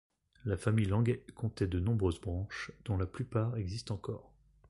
La famille Languet comptait de nombreuses branches, dont la plupart existent encore.